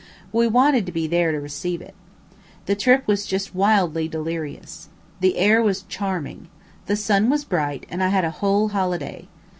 We wanted to be there to receive it. The trip was just wildly delirious. The air was charming. The sun was bright, and I had a whole holiday.